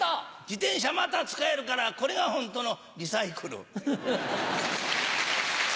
自転車また使えるから、これが本当のリサイクル。